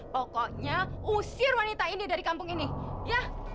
pokoknya usir wanita ini dari kampung ini ya